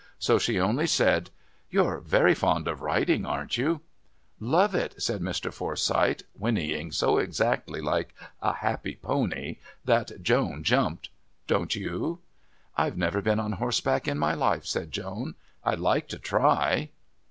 So she only said: "You're very fond of riding, aren't you?" "Love it," said Mr. Forsyth, whinnying so exactly like a happy pony that Joan jumped. "Don't you?" "I've never been on horseback in my life," said Joan. "I'd like to try."